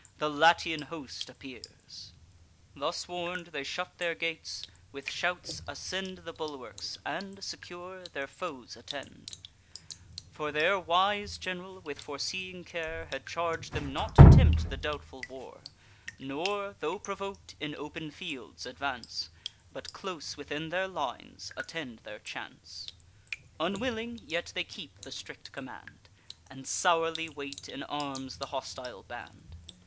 the Latian host appears." Thus warn'd, they shut their gates; with shouts ascend The bulwarks, and, secure, their foes attend: For their wise gen'ral, with foreseeing care, Had charg'd them not to tempt the doubtful war, Nor, tho' provok'd, in open fields advance, But close within their lines attend their chance. Unwilling, yet they keep the strict command, And sourly wait in arms the hostile band.